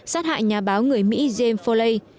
sát hại nhà báo người mỹ james foley